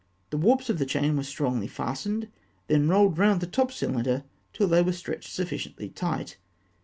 The warps of the chain were strongly fastened, then rolled round the top cylinder till they were stretched sufficiently tight.